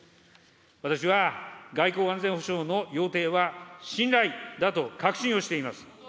私は外交、安全保障の要諦は、信頼だと確信をしています。